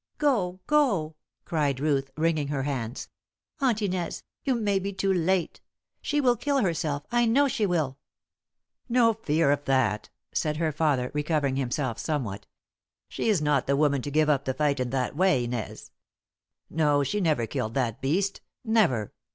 "Go! Go!" cried Ruth, wringing her hands. "Aunt Inez you may be too late! She will kill herself, I know she will!" "No fear of that," said her father, recovering himself somewhat. "She is not the woman to give up the fight in that way, Inez. No, she never killed that beast never!"